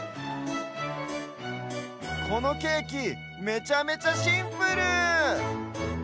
このケーキめちゃめちゃシンプル！